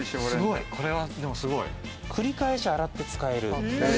繰り返し洗って使える。